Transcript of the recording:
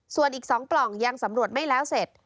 ส่วนอีก๒ปล่องยังสำรวจไม่แล้วเสร็จ